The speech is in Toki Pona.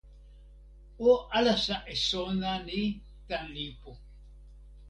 o alasa e sona ni tan lipu.